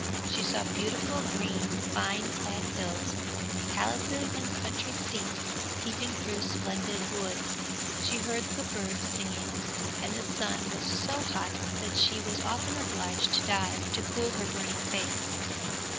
She saw beautiful green, vine clad hills; palaces and country seats peeping through splendid woods. She heard the birds singing, and the sun was so hot that she was often obliged to dive, to cool her burning face.